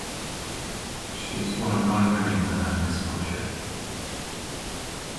She is one of nine women to earn this scholarship.